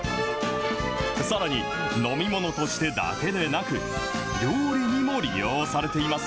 さらに、飲み物としてだけでなく、料理にも利用されています。